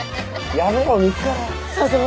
・やめろ見つかる。